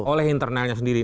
oleh internalnya sendiri